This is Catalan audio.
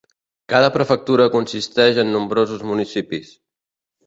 Cada prefectura consisteix en nombrosos municipis.